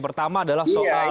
pertama adalah soal